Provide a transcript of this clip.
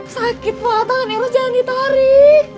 sakit wadah kan eros jangan ditarik